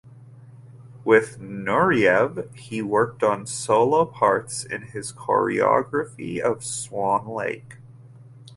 With Nureyev he worked on solo parts in his choreography of "Swan Lake".